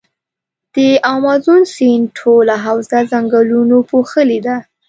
د مازون سیند ټوله حوزه ځنګلونو پوښلي ده.